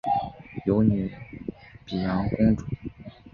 有女沘阳公主。